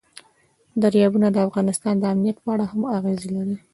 دریابونه د افغانستان د امنیت په اړه هم اغېز لري.